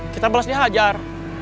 kita balas dia hajar